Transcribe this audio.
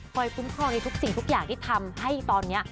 คุ้มครองในทุกสิ่งทุกอย่างที่ทำให้ตอนนี้